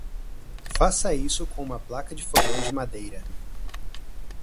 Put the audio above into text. Faça isso com uma placa de fogão de madeira.